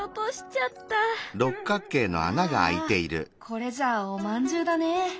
ああこれじゃあおまんじゅうだね。